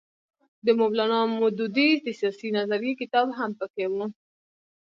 د مولانا مودودي د سیاسي نظریې کتاب هم پکې وو.